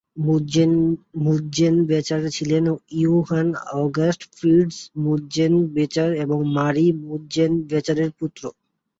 মুৎজেনবেচার ছিলেন Johann August Fritz Mutzenbecher এবং মারি মুৎজেনবেচারের পুত্র।